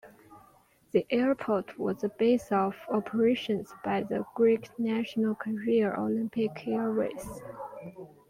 The airport was the base of operations by the Greek national carrier Olympic Airways.